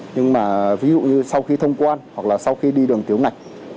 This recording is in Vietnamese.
nhưng mà ví dụ như sau khi thông quan hoặc là sau khi đi đường tiểu ngạch